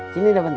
sini deh bentar